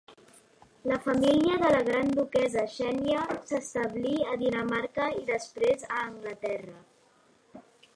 La família de la gran duquessa Xènia s'establí a Dinamarca i després a Anglaterra.